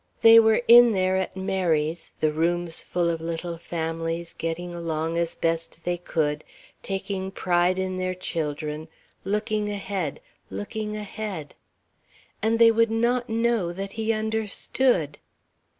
They were in there at Mary's, the rooms full of little families, getting along as best they could, taking pride in their children, looking ahead, looking ahead and they would not know that he understood.